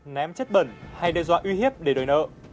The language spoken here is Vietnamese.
ném chất bẩn hay đe dọa uy hiếp để đòi nợ